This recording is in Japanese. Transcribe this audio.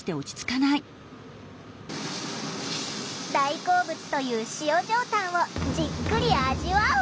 大好物という塩上タンをじっくり味わう。